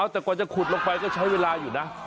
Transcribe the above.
แต่กว่าจะขุดลงไปก็ใช้เวลาอยู่นะ